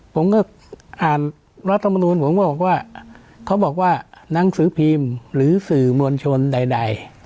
ผมก็อ่านรัฐมนูลผมก็บอกว่าเขาบอกว่าหนังสือพิมพ์หรือสื่อมวลชนใด